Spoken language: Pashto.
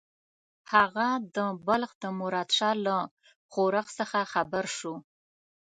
هغه د بلخ د مراد شاه له ښورښ څخه خبر شو.